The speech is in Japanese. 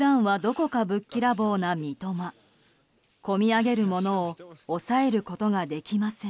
こみ上げるものを抑えることができません。